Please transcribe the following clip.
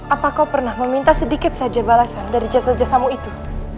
apa kau pernah meminta sedikit saja balasan dari jasa jasamu itu